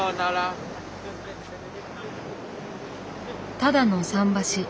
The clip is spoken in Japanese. ただの桟橋。